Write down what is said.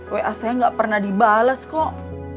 wa saya gak pernah dibalas kok